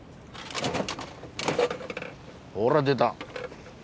ほら出た。